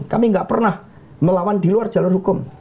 kami tidak pernah melawan di luar jalur hukum